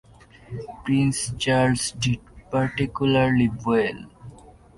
Prince Charles did particularly well.